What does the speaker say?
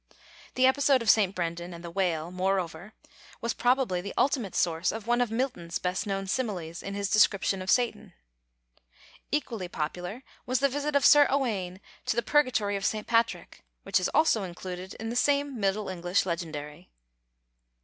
The episode of St. Brendan and the whale, moreover, was probably the ultimate source of one of Milton's best known similes in his description of Satan. Equally popular was the visit of Sir Owayn to the Purgatory of St. Patrick, which is also included in the same Middle English Legendary.